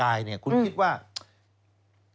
สวัสดีครับคุณผู้ชมค่ะต้อนรับเข้าที่วิทยาลัยศาสตร์